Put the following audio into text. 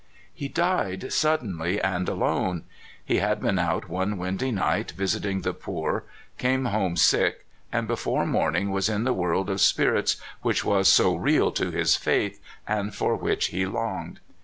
He died suddenly and alone. He had been out one windy night visiting the poor, came home sick, and before morning was in that world of spirits which was so real to his faith, and for which ho longed.